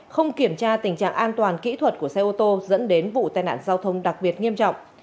không kiểm tra tình trạng an toàn kỹ thuật của xe ô tô dẫn đến vụ tai nạn giao thông đặc biệt nghiêm trọng